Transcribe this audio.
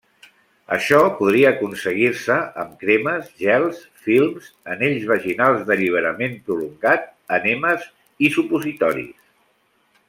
Això podria aconseguir-se amb cremes, gels, films, anells vaginals d'alliberament prolongat, ènemes i supositoris.